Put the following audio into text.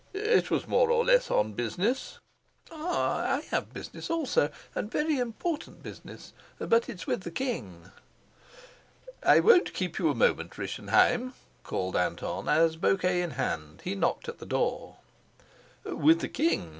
"It was more or less on business." "Ah, I have business also, and very important business. But it's with the king." "I won't keep you a moment, Rischenheim," called Anton, as, bouquet in hand, he knocked at the door. "With the king?"